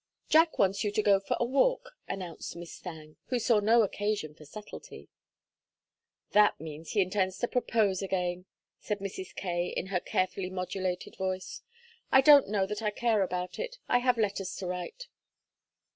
"Jack wants you to go for a walk," announced Miss Thangue, who saw no occasion for subtlety. "That means he intends to propose again," said Mrs. Kaye, in her carefully modulated voice. "I don't know that I care about it. I have letters to write."